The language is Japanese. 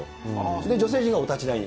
そして女性陣がお立ち台に。